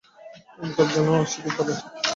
অনুতাপও যেন আসে গোপালের।